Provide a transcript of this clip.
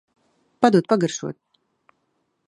Padod pagaršot.